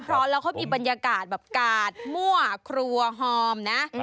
ร้อนแล้วเขามีบรรยากาศแบบกาดมั่วครัวหอมนะ